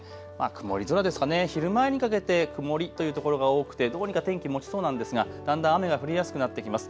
曇り空ですかね、昼前にかけて曇りというところが多くてどうにか天気、もちそうなんですがだんだん雨が降りやすくなってきます。